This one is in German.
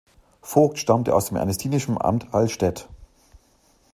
Voigt stammte aus dem ernestinischen Amt Allstedt.